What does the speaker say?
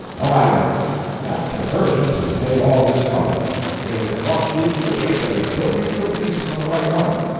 "No matter—that divergence has made all this trouble. It has brought you to a gate that is billions of leagues from the right one.